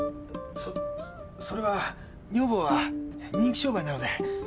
そそれは女房は人気商売なので。